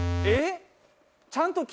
えっ！